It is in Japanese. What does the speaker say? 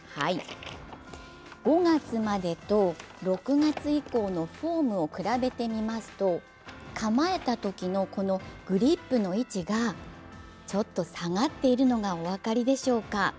５月までと６月以降のフォームを比べてみますと、構えたときのグリップの位置がちょっと下がっているのがお分かりでしょうか。